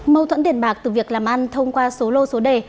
mâu thuẫn tiền bạc từ việc làm ăn thông qua số lô số đề